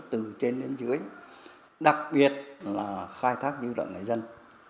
từ trên đến dưới đặc biệt là khai thác dư luận người dân